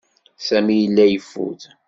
Sami yella yeffud.